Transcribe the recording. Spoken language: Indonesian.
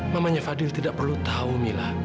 mamanya fadil tidak perlu tahu mila